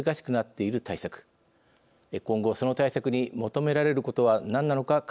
今後その対策に求められることは何なのか考えます。